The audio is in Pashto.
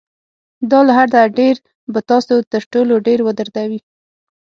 دا له حده ډېر به تاسو تر ټولو ډېر ودردوي.